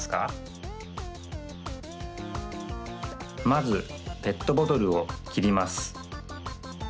まずペットボトルをきります。